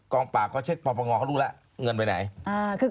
กองปากเขาเช็คพอประงอเขารู้ล่ะเงินไปไหน